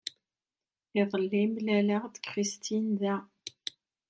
Iḍelli, mlaleɣ-d Christine da.